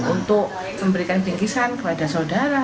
untuk memberikan bingkisan kepada saudara